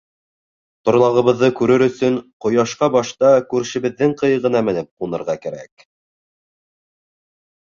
Торлағыбыҙҙы күрер өсөн, ҡояшҡа башта күршебеҙҙең ҡыйығына менеп ҡунырға кәрәк.